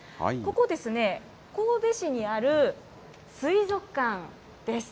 ここ、神戸市にある水族館です。